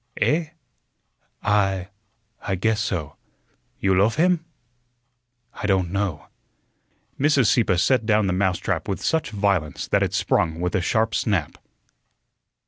"Eh?" "I I guess so." "You loaf him?" "I don't know." Mrs. Sieppe set down the mousetrap with such violence that it sprung with a sharp snap.